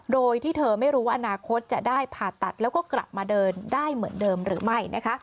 โดยที่เธอไม่รู้ว่าอนาคตจะได้ผ่าตัดแล้วก็กลับมาเดินได้เหมือนเดิมหรือไม่